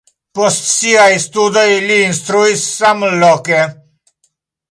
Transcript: Post siaj studoj li instruis samloke.